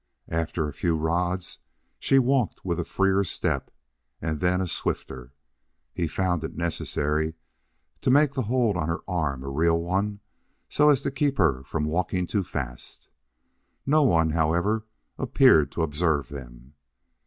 After a few rods she walked with a freer step and then a swifter. He found it necessary to make that hold on her arm a real one, so as to keep her from walking too fast. No one, however, appeared to observe them.